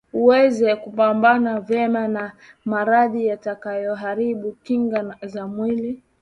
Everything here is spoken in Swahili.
uweze kupambana vema na maradhi yatakayoharibu kinga za mwili